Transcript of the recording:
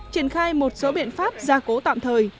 triển khai một số biện pháp gia cố tạm thời